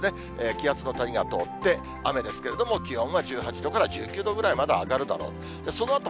気圧の谷が通って、雨ですけれども、気温は１８度から１９度ぐらいまで上がるだろうと。